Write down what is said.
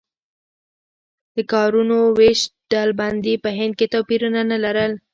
د کارونو وېش ډلبندي په هند کې توپیرونه نه لرل.